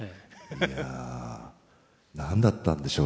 いや何だったんでしょう？